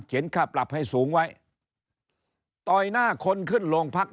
ค่าปรับให้สูงไว้ต่อยหน้าคนขึ้นโรงพัก